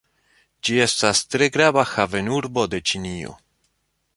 Ĝi estas tre grava havenurbo de Ĉinio.